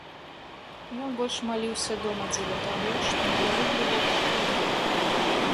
Ён больш маліўся дома дзеля таго, што недалюбліваў папоў.